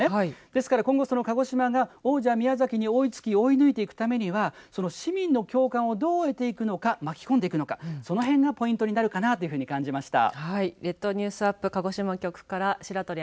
ですから今後、鹿児島が王者、宮崎に追いつき追い抜いていくためにはその市民の共感をどう得ていくのか巻き込んでいくのかそのへんがポイントになるかなというふうに感じました。